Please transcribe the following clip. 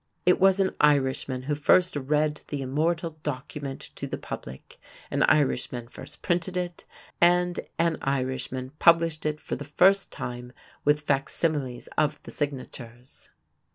It was an Irishman who first read the immortal Document to the public; an Irishman first printed it; and an Irishman published it for the first time with facsimiles of the signatures.